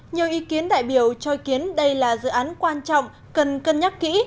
nhiều ý kiến đại biểu cho ý kiến đây là dự án quan trọng cần cân nhắc kỹ